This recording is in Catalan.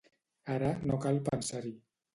Ara, no cal pensar-hi.